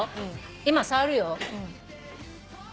今触るよ。